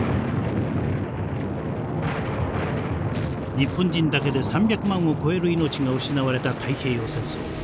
日本人だけで３００万を超える命が失われた太平洋戦争。